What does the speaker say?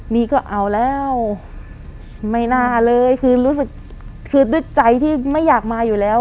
นี่ก็เอาแล้วไม่น่าเลยคือรู้สึกคือด้วยใจที่ไม่อยากมาอยู่แล้ว